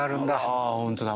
ああホントだ。